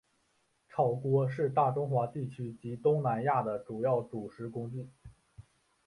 炒锅是大中华地区及东南亚的主要煮食工具。